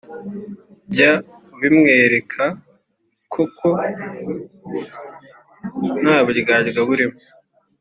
jya ubimwereka koko nta buryarya burimo,